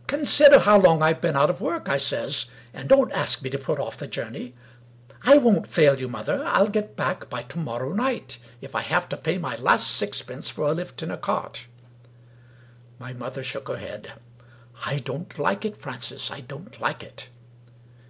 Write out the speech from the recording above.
" Consider how long I have been out of work," I says, "and don't ask me to put off the journey. I won't fail you, mother. I'll get back by to morrow night, if I have to pay my last sixpence for a lift in a cart." My mother shook her head. " I don't like it, Francis — I don't like it